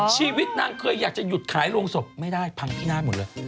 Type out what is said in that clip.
ชีวิตนางเคยอยากจะหยุดขายโรงศพไม่ได้พังพินาศหมดเลย